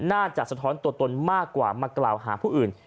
สะท้อนตัวตนมากกว่ามากล่าวหาผู้อื่น